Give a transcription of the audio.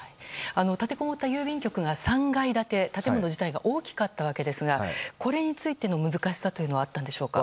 立てこもった郵便局が３階建て建物自体が大きかったわけですがこれについての難しさというのはあったんでしょうか。